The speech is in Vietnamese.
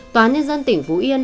tòa nhân dân tỉnh phú yên